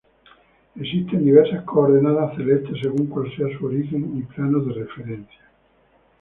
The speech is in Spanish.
Existen diversas coordenadas celestes según cuál sea su origen y plano de referencia.